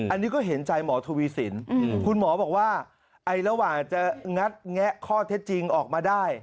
อันนี้ก็เห็นใจหมอทวีสินคุณหมอบอกว่าระหว่างจะงัดแงะข้อเท็จจริงออกมาได้